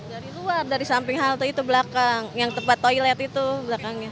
dari luar dari samping halte itu belakang yang tempat toilet itu belakangnya